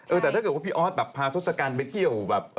แต่ถ้าเกิดว่าพี่ออสแบบพาทศกัณฐ์ไปเที่ยวแบบ